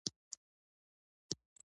مړه ته د غم وخت دعا نه هېروې